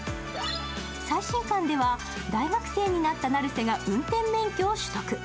最新巻では大学生になった成瀬が運転免許を取得。